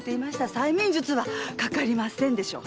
催眠術はかかりませんでしょ。